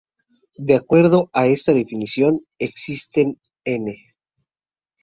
De acuerdo a esta definición existen n!